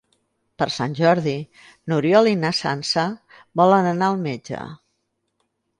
Per Sant Jordi n'Oriol i na Sança volen anar al metge.